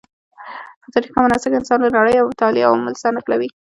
په تاریخ کې مناسک انسان له نړۍ او متعالي عوالمو سره نښلوي.